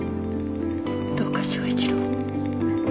どうか正一郎を。